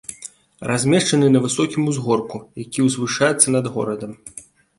Размешчаны на высокім узгорку, які ўзвышаецца над горадам.